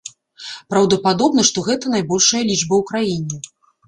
Праўдападобна, што гэта найбольшая лічба ў краіне.